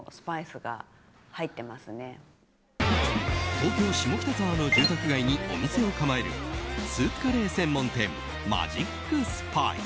東京・下北沢の住宅街にお店を構えるスープカレー専門店マジックスパイス。